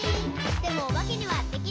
「でもおばけにはできない。」